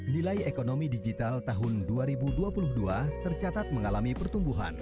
nilai ekonomi digital tahun dua ribu dua puluh dua tercatat mengalami pertumbuhan